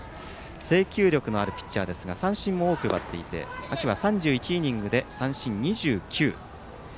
制球力のあるピッチャーですが三振も多く奪っていて秋は３１イニングで三振２９。